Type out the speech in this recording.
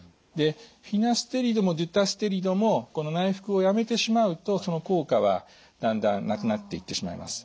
フィナステリドもデュタステリドもこの内服をやめてしまうとその効果はだんだんなくなっていってしまいます。